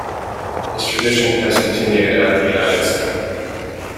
This tradition has continued at the United Center.